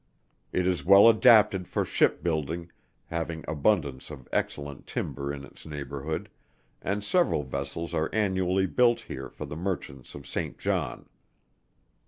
It is well adapted for Ship building, having abundance of excellent timber in its neighborhood, and several vessels are annually built here for the merchants of Saint John.